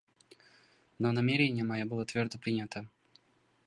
Но намерение мое было твердо принято.